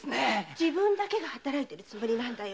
自分だけが働いてるつもりなんだよ。